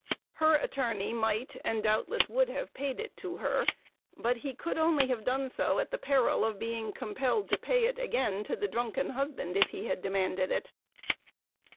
Her attorney might, and doubtless would have paid it to her, but he could only have done so at the peril of being compelled to pay it again to the drunken husband if he had demanded it.